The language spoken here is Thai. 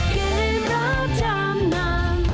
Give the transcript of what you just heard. เกมรับจำนำ